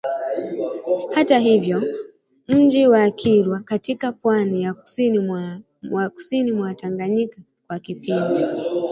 Hata hivyo, mji wa kilwa katika pwani ya kusini mwa tanganyika, kwa kipindi